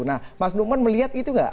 nah mas nukman melihat itu nggak